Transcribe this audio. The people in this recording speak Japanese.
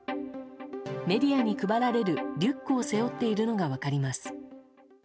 メディアに配られるリュックを背負っているのが分かります。